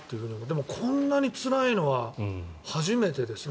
でも、こんなにつらいのは初めてですね。